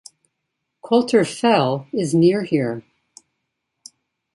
Coulter Fell is near here.